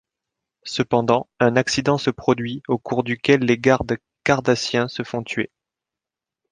Cependant, un accident se produit au cours duquel les gardes cardassiens se font tuer.